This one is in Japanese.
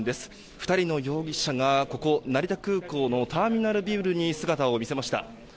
２人の容疑者がここ成田空港のターミナルビルに姿を見せました。